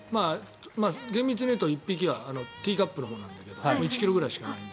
厳密にいうと１匹はティーカップのほうだけど１ｋｇしかない。